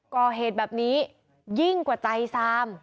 ก่อเหตุแบบนี้ยิ่งกว่าใจซาม